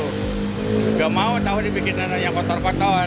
tidak mau tahu dibuat yang kotor kotor